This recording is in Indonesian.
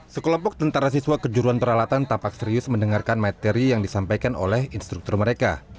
sekelompok tentara siswa kejuruan peralatan tampak serius mendengarkan materi yang disampaikan oleh instruktur mereka